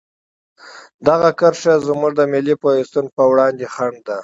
دغه کرښه زموږ د ملي پیوستون په وړاندې خنډ ده.